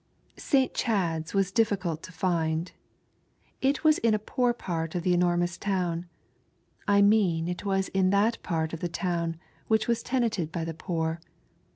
St. Chad's was difi&cult to find. It was in a poor part of the enormous town ; I mean it was in that part of the town which was tenanted by the poor.